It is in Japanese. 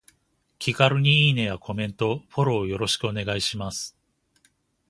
気軽にいいねやコメント、フォローよろしくお願いします。